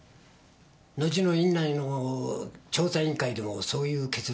後の院内の調査委員会でもそういう結論が出た。